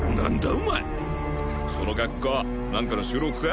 お前その格好何かの収録か？